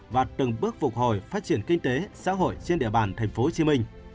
và từng bước phục hồi phát triển kinh tế xã hội trên địa bàn tp hcm